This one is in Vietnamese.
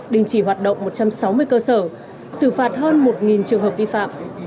đình chỉ hoạt động một trăm sáu mươi cơ sở xử phạt hơn một trường hợp vi phạm